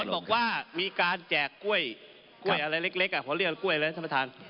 บอกว่ามีการแจกกล้วยอะไรเล็กพอเรียกกล้วยอะไรนะท่านประธาน